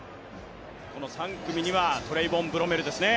３組にはトレイボン・ブロメルですね。